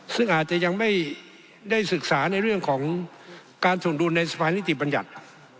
ซึ่งอาจจะยังไม่ได้ศึกษาในเรื่องของการส่งดุลในสภานิติบัญญัติ